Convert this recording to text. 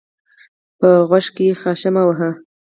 په غوږ کښي خاشه مه وهه!